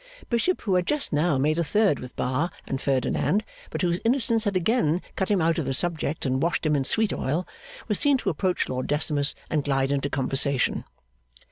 Bishop, who had just now made a third with Bar and Ferdinand, but whose innocence had again cut him out of the subject and washed him in sweet oil, was seen to approach Lord Decimus and glide into conversation.